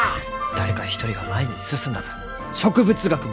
誰か一人が前に進んだ分植物学も前に進む！